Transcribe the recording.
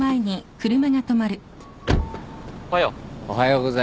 おはよう。